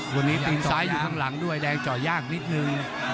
วันนี้ตีนซ้ายอยู่ข้างหลังด้วยแดงเจาะยากนิดนึง